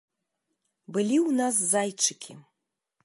Былі ў нас зайчыкі.